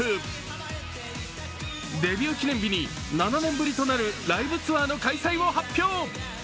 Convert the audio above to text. デビュー記念日に７年ぶりとなるライブツアーの開催を発表。